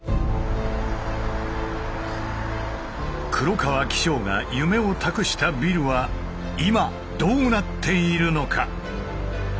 黒川紀章が夢を託したビルは今どうなっているのか。